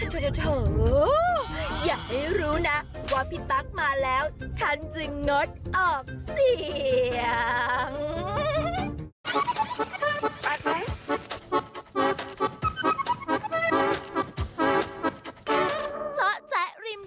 เจาะแจ๊ะริมเจาะ